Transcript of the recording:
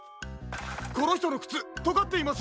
このひとのくつとがっています。